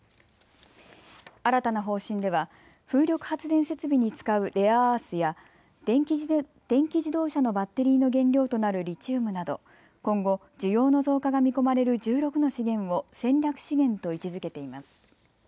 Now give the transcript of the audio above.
新たな方針では風力発電設備に使うレアアースや電気自動車のバッテリーの原料となるリチウムなど今後、需要の増加が見込まれる１６の資源を戦略資源と位置づけています。